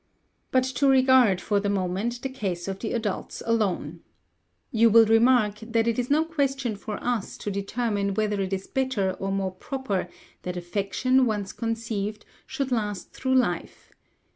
"But to regard, for the moment, the case of the adults alone. You will remark, that it is no question for us to determine whether it is better or more proper that affection, once conceived, should last through life.